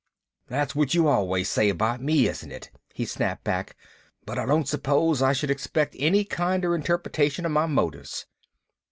"That's what you always say about me, isn't it?" he snapped back. "But I don't suppose I should expect any kinder interpretation of my motives."